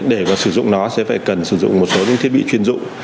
để có sử dụng nó sẽ phải cần sử dụng một số thiết bị chuyên dụng